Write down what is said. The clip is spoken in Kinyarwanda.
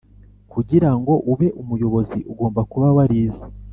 Kugira ngo ube umuyobozi ugomba kuba warize